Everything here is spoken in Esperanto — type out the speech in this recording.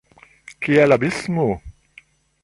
Kiel abismo!